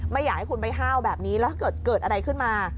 ไม่อยากให้คุณไปห้าวแบบนี้แล้วถ้าเกิดเกิดอะไรขึ้นมา